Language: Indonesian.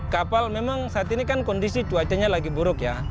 kapal memang saat ini kan kondisi cuacanya lagi buruk ya